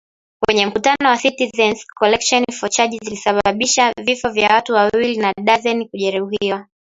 Kwenye mkutano wa Citizens’ Coalition for Change zilisababisha vifo vya watu wawili na darzeni kujeruhiwa